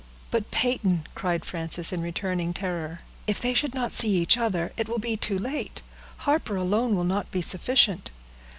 "But, Peyton," cried Frances, in returning terror, "if they should not see each other, it will be too late. Harper alone will not be sufficient."